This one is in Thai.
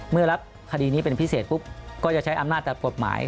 รับคดีนี้เป็นพิเศษปุ๊บก็จะใช้อำนาจตามกฎหมาย